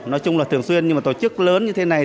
nói chung là thường xuyên nhưng mà tổ chức lớn như thế này